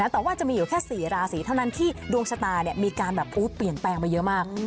แต่ว่าจะมีอยู่แค่๔ราศีเท่านั้นที่ดวงชะตามีการแบบเปลี่ยนแปลงไปเยอะมาก